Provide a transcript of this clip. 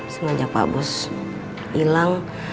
semenjak pak bos ilang